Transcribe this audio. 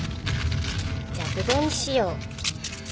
じゃあぶどうにしよう。